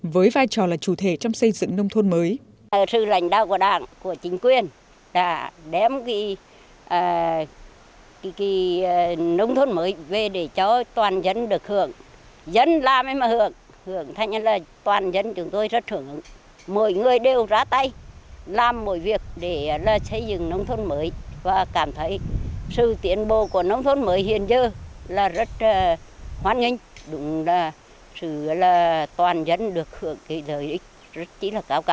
với vai trò là chủ thể trong xây dựng nông thôn mới